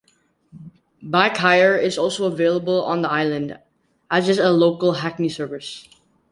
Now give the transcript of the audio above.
Bike hire is also available on the island, as is a local hackney service.